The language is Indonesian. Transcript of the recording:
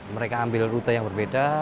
mereka ambil rute yang berbeda